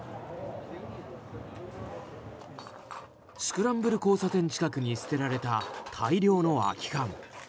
スクランブル交差点近くに捨てられた大量の空き缶。